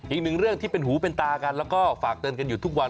อีกหนึ่งเรื่องที่เป็นหูเป็นตากันแล้วก็ฝากเตือนกันอยู่ทุกวัน